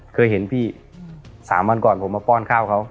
เคยเห็นพี่๓วันก่อนผมมาป้อนข้าวเขา